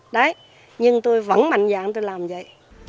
đấy nhưng tôi vẫn mạnh dạng tôi làm vậy